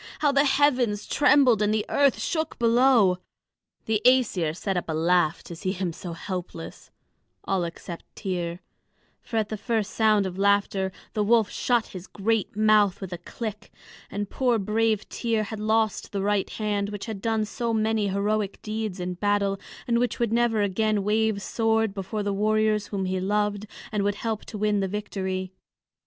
How the heavens trembled and the earth shook below! The Æsir set up a laugh to see him so helpless all except Tŷr; for at the first sound of laughter the wolf shut his great mouth with a click, and poor brave Tŷr had lost the right hand which had done so many heroic deeds in battle, and which would never again wave sword before the warriors whom he loved and would help to win the victory.